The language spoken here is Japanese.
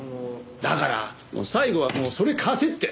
だから最後はもうそれ貸せって。